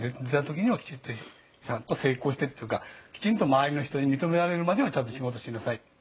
出た時にはきちっとちゃんと成功してっていうかきちんとまわりの人に認められるまではちゃんと仕事しなさい。